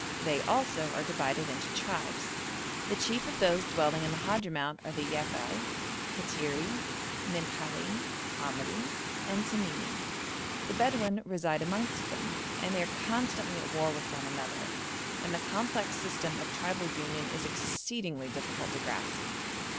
They also are divided into tribes. The chief of those dwelling in the Hadhramout are the Yafei, Kattiri, Minhali, Amri, and Tamimi. The Bedouin reside amongst them, and they are constantly at war with one another, and the complex system of tribal union is exceedingly difficult to grasp.